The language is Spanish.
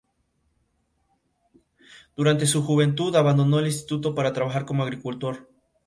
Durante su juventud abandonó el instituto para trabajar como agricultor.